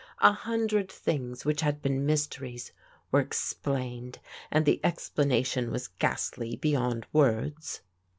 A hun dred things which had been mysteries were explained, and the explanation was ghastly beyond words.